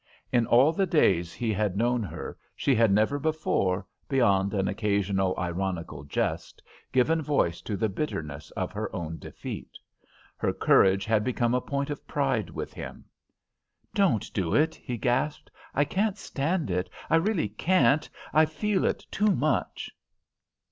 In all the days he had known her she had never before, beyond an occasional ironical jest, given voice to the bitterness of her own defeat. Her courage had become a point of pride with him. "Don't do it," he gasped. "I can't stand it, I really can't, I feel it too much."